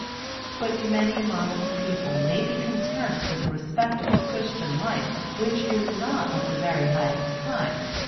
But many modest people may be content with a respectable Christian life which is not of the very highest kind.